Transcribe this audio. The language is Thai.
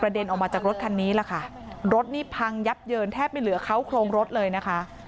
เด็นออกมาจากรถคันนี้แหละค่ะรถนี่พังยับเยินแทบไม่เหลือเขาโครงรถเลยนะคะ